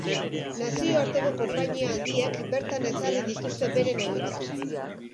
Nazioarteko konpainia handiek bertan ezarri dituzte beren egoitzak.